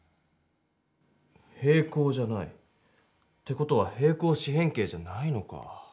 平行じゃない。って事は平行四辺形じゃないのか。